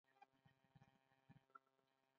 کله کله د خپلې خوښې لپاره